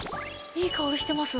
いい香りしてます。